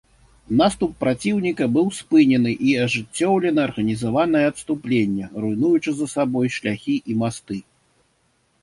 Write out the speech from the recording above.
Наступ праціўніка быў спынены і ажыццёўлена арганізаванае адступленне, руйнуючы за сабой шляхі і масты.